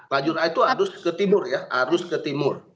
lajur a itu harus ke timur ya arus ke timur